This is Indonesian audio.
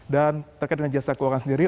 dan terkait dengan jasa keuangan sendiri